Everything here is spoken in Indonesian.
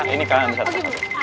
ini kalian satu